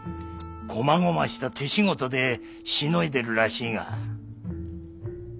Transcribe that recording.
細々した手仕事でしのいでるらしいが。